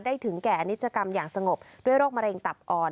ถึงแก่อนิจกรรมอย่างสงบด้วยโรคมะเร็งตับอ่อน